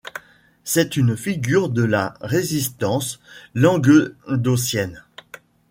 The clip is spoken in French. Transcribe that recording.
C'est une figure de la résistance languedocienne.